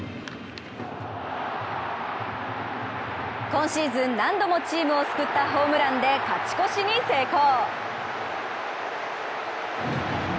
今シーズン、何度もチームを救ったホームランで勝ち越しに成功。